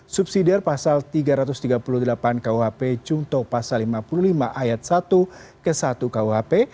subsidi pasal tiga ratus tiga puluh delapan kuhp cungto pasal lima puluh lima ayat satu ke satu kuhp